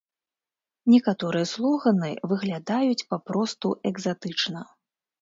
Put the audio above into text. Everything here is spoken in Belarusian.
Некаторыя слоганы выглядаюць папросту экзатычна.